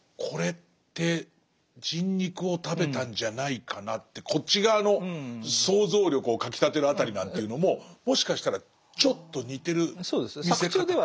これって人肉を食べたんじゃないかなってこっち側の想像力をかきたてる辺りなんていうのももしかしたらちょっと似てる見せ方も。